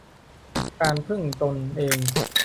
การพึ่งตนเอง